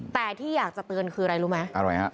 แต่ที่อยากจะเตือนคืออะไรรู้ไหมอะไรฮะ